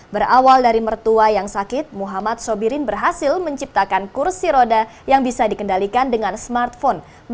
berawal dari mertua yang sakit muhammad sobirin berhasil menciptakan kursi roda yang bisa dikendalikan dengan smartphone